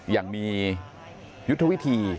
อย่างมียุทธวิธี